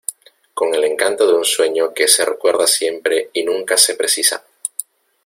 con el encanto de un sueño que se recuerda siempre y nunca se precisa.